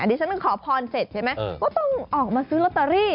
ดิฉันไปขอพรเสร็จใช่ไหมก็ต้องออกมาซื้อลอตเตอรี่